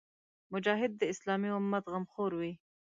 مجاهد د اسلامي امت غمخور وي.